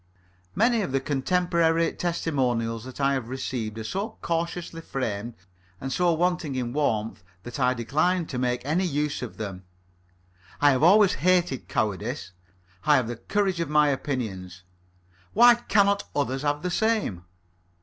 Many of the contemporary testimonials that I have received are so cautiously framed and so wanting in warmth that I decline to make any use of them. I have always hated cowardice. I have the courage of my opinions. Why cannot others have the same.